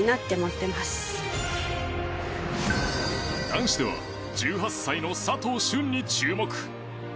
男子では１８歳の佐藤駿に注目。